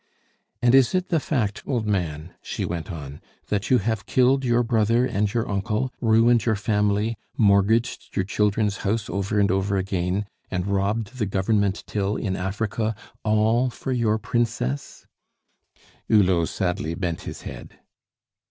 "And is it the fact, old man," she went on, "that you have killed your brother and your uncle, ruined your family, mortgaged your children's house over and over again, and robbed the Government till in Africa, all for your princess?" Hulot sadly bent his head.